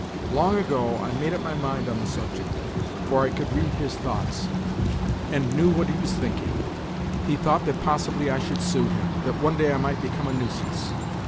"Long ago I made up my mind on the subject, for I could read his thoughts, and knew what he was thinking. He thought that possibly I should sue him—that one day I might become a nuisance."